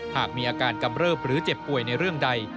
หากมีอาการกำเริบหรือเจ็บป่วยในเรื่องใด